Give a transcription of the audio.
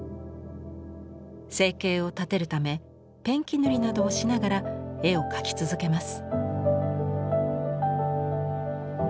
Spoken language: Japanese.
生計を立てるためペンキ塗りなどをしながら絵を描き続けます。